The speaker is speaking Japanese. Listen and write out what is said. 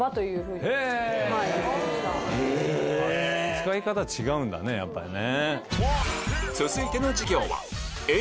使い方違うんだねやっぱね。